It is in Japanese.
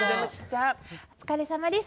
お疲れさまです。